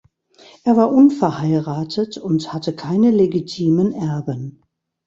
Er war unverheiratet und hatte keine legitimen Erben.